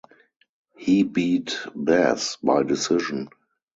He beat Bas by decision.